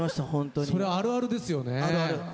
それあるあるですよね。